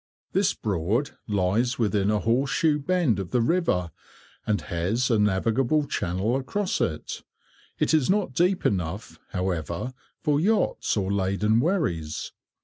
This Broad lies within a horse shoe bend of the river, and has a navigable channel across it. It is not deep enough, however, for yachts or laden wherries.